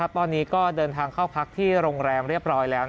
ตอนนี้ก็เดินทางเข้าพักที่โรงแรมเรียบร้อยแล้ว